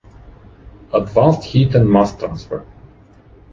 Advanced Heat and Mass Transfer.